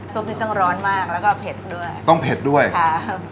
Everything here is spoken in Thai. นี้ต้องร้อนมากแล้วก็เผ็ดด้วยต้องเผ็ดด้วยค่ะ